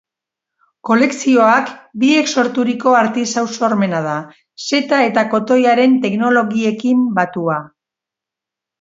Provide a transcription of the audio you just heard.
Kolekzioak biek sorturiko artisau-sormena da, seta eta kotoiaren teknologiekin batua.